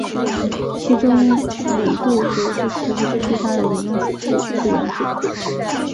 其中里杜湖是慈溪市最大的饮用水源水库。